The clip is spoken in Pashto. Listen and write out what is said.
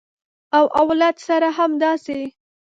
او اولاد سره همداسې